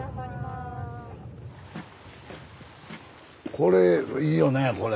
これいいよねこれ。